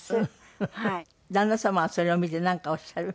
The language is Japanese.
旦那様はそれを見てなんかおっしゃる？